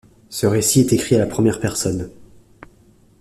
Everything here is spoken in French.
Ce récit est écrit à la première personne.